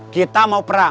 kita mau perang